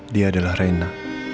dia adalah reina